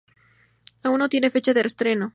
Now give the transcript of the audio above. Aún no tiene fecha de estreno.